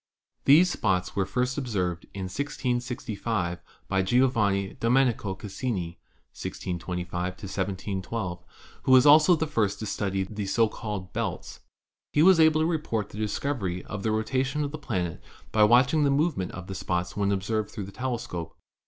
These spots were first observed in 1665 by Gio vanni Domenico Cassini (1625 1712), who was also the first to study the so called belts. He was able to report the discovery of the rotation of the planet by watching the movement of the spots when observed through the tele scope.